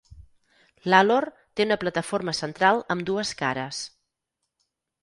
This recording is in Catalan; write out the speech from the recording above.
Lalor té una plataforma central amb dues cares.